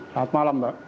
selamat malam mbak